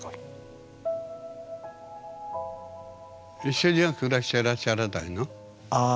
一緒には暮らしてらっしゃらないの？